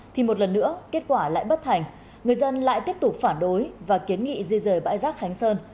thì một lần nữa kết quả lại bất thành người dân lại tiếp tục phản đối và kiến nghị di rời bãi rác khánh sơn